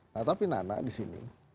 nah tapi nana disini